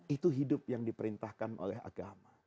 itu hidup yang diperintahkan oleh agama